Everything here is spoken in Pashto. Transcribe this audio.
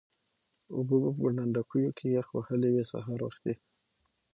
اوبه به په ډنډوکیو کې یخ وهلې وې سهار وختي.